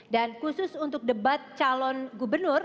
dan khusus untuk debat calon gubernur